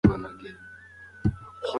پوهه د نېکمرغۍ اساس دی.